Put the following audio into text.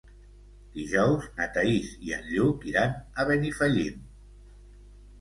Dijous na Thaís i en Lluc iran a Benifallim.